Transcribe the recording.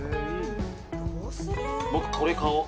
僕これ買おう。